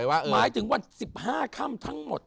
หมายถึงวัน๑๕ค่ำทั้งหมด